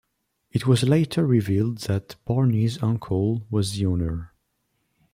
It was later revealed that Barney's uncle was the owner.